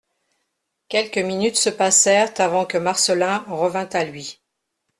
Quelques minutes se passèrent avant que Marcelin revînt à lui.